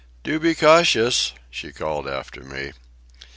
"Do be cautious," she called after me.